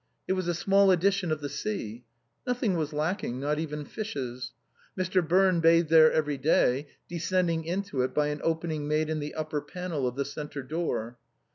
It was a small edition of the sea. Noth ing was lacking, not even fishes. Mr. Birne bathed there every day, descending into it by an opening made in the upper panel of the centre door.